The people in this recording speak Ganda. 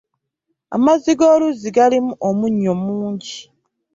Amazzi g'oluzzi galimu omunnyo mungi.